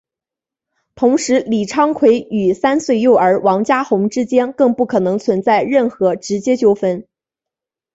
同时李昌奎与三岁幼儿王家红之间更不可能存在任何直接纠纷。